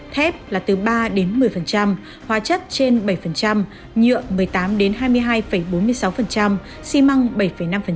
thép là từ ba một mươi hóa chất trên bảy nhựa một mươi tám hai mươi hai bốn mươi sáu xi măng bảy năm dẹp may trên năm